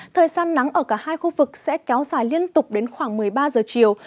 thời săn nắng ở cả hai khu vực sẽ kéo dài liên tục đến khoảng một mươi ba giờ chiều